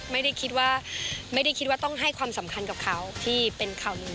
และไม่ได้คิดว่าต้องให้ความสำคัญกับเขาที่เป็นคาวรื้อ